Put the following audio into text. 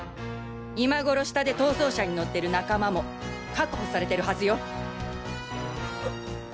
今頃下で逃走車に乗ってる仲間も確保されてるはずよ！